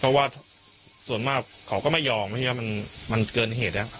เพราะว่าส่วนมากเขาก็ไม่ยอมไม่ใช่ว่ามันเกินเหตุแล้ว